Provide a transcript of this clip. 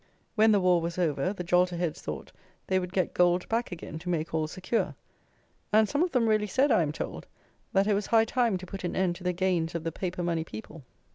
When the war was over, the jolterheads thought they would get gold back again to make all secure; and some of them really said, I am told, that it was high time to put an end to the gains of the paper money people.